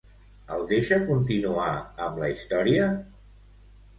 El deixa continuar amb la història?